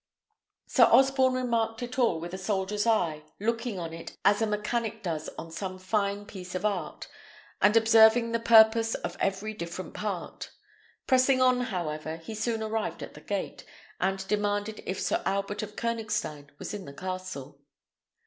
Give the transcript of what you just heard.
Sir Osborne remarked it all with a soldier's eye, looking on it as a mechanist does on some fine piece of art, and observing the purpose of every different part. Pressing on, however, he soon arrived at the gate, and demanded if Sir Albert of Koënigstein was in the castle.